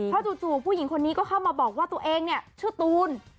พอจู่ผู้หญิงคนนี้เข้ามาบอกว่าตัวเองชื่อตูน